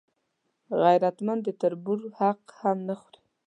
غیرتمند د تربور حق هم نه خوړوي